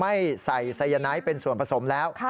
ไม่ใส่ไซยาไนท์เป็นส่วนผสมแล้ว